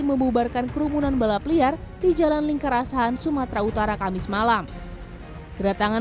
membubarkan kerumunan balap liar di jalan lingkar asahan sumatera utara kamis malam kedatangan